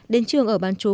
đến trường ở bán chú